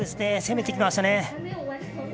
攻めてきましたね。